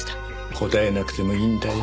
答えなくてもいいんだよ。